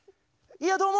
いやどうも。